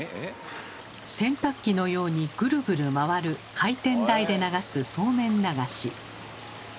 洗濯機のようにグルグル回る回転台で流す「そうめん流し」。